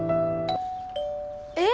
え